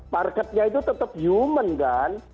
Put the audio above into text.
marketnya itu tetap human kan